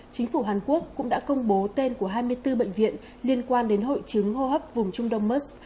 chính phủ hàn quốc cũng đã công bố tên của hai mươi bốn bệnh viện liên quan đến hội chứng hô hấp vùng trung đông mers